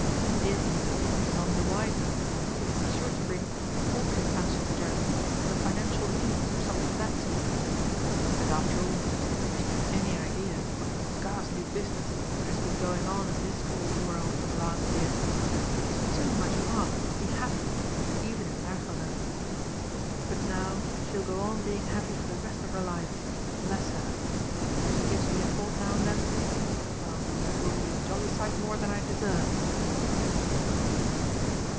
If she did, she'd be none the wiser, because he'd be sure to bring The Poultry Fancier's Journal or The Financial News, or something of that sort. And, after all, if she had any idea of the ghastly business that has been going on in this old world for the last year, she's too much heart to be happy even in Märchenland. But now she'll go on being happy for the rest of her life, bless her! and if she gives me a thought now and then well, it will be a jolly sight more than I deserve!"